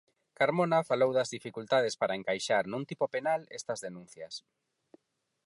Carmona falou das dificultades para encaixar nun tipo penal estas denuncias.